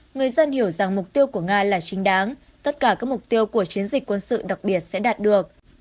người dân hiểu rằng mục tiêu của nga là chính đáng tất cả các mục tiêu của chiến dịch quân sự đặc biệt sẽ đạt được